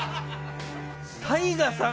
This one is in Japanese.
ＴＡＩＧＡさん